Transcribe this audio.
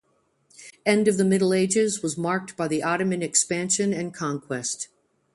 End of the Middle Ages was marked by the Ottoman expansion and conquest.